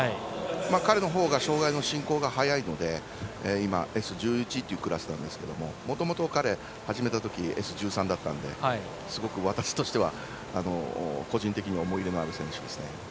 彼のほうが障がいの進行が早いので今、Ｓ１１というクラスですがもともと、彼が始めたときはＳ１３でしたのですごく私としては個人的に思い入れのある選手です。